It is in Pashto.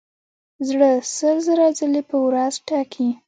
زړه سل زره ځلې په ورځ ټکي.